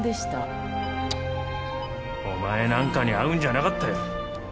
お前なんかに会うんじゃなかったよ。